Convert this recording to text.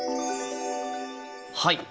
はい。